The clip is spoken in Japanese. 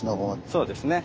そうですね。